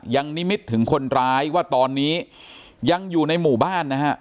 นิมิตถึงคนร้ายว่าตอนนี้ยังอยู่ในหมู่บ้านนะฮะ